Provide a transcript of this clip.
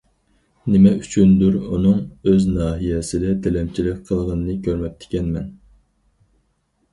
نېمە ئۈچۈندۇر ئۇنىڭ ئۆز ناھىيەسىدە تىلەمچىلىك قىلغىنىنى كۆرمەپتىكەنمەن.